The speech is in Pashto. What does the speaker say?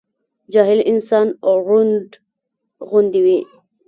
جاهل انسان رونډ غوندي وي